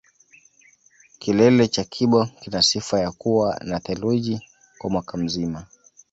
kilele cha kibo kina sifa ya kuwa na theluji kwa mwaka mzima